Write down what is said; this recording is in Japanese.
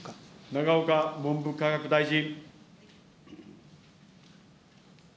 永岡文部科学大臣。